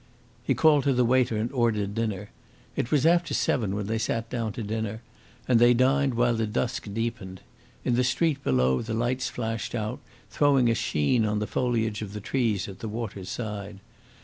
He called to the waiter and ordered dinner. It was after seven when they sat down to dinner, and they dined while the dusk deepened. In the street below the lights flashed out, throwing a sheen on the foliage of the trees at the water's side.